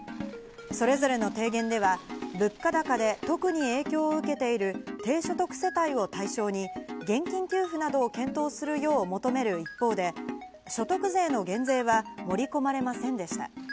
それぞれの提言では物価高で特に影響を受けている低所得世帯を対象に現金給付などを検討するよう求める一方で、所得税の減税は盛り込まれませんでした。